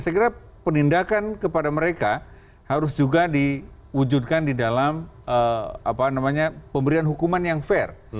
saya kira penindakan kepada mereka harus juga diwujudkan di dalam pemberian hukuman yang fair